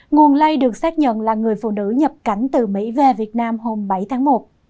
nguồn lây được xác nhận là người phụ nữ nhập cảnh từ mỹ về việt nam hôm bảy tháng một